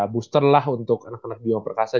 booster lah untuk anak anak di bumperkasa